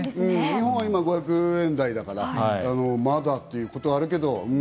日本は今５００円台だから、まだということはあるけど。